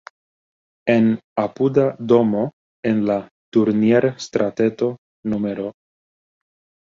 En apuda domo en la Turnier-strateto nr.